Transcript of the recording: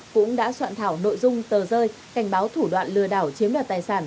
cũng đã soạn thảo nội dung tờ rơi cảnh báo thủ đoạn lừa đảo chiếm đoạt tài sản